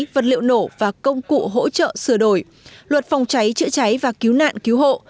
vật liệu nổ và công cụ hỗ trợ sửa đổi luật phòng cháy chữa cháy và cứu nạn cứu hộ